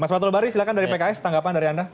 mas matul bari silakan dari pks tanggapan dari anda